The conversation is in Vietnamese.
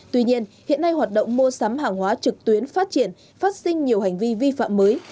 tuy nhiên hiện nay hoạt động mua sắm hàng hóa trực tuyến phát triển phát sinh nhiều hành vi vi phạm mới